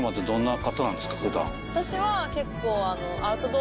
私は結構。